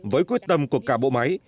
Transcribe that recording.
với quyết tâm của cả bộ máy